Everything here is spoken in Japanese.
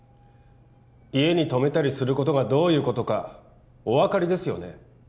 家に泊めたりすることがどういうことかお分かりですよね？